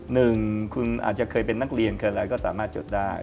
หนึ่งคุณอาจจะเคยเป็นนักเรียนเคยอะไรก็สามารถจดได้